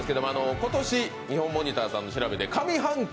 今年、ニホンモニターさんが調べて上半期